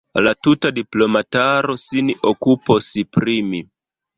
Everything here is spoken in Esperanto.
La tuta diplomataro sin okupos pri mi.